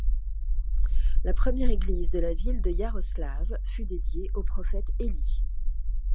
La première église de la ville de Iaroslavl fut dédiée au prophète Élie.